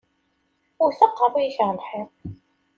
Wwet aqeṛṛu-k ar lḥiḍ!